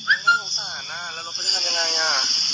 โอ้โหสะอาดน่ะแล้วรถไปด้วยกันยังไงอ่ะ